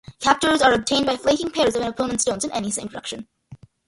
Captures are obtained by flanking pairs of an opponent's stones in any same direction.